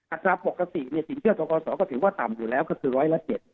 อัตราปกศสินเชื่อตรกศก็ถือว่าต่ำอยู่แล้วก็คือ๑๐๗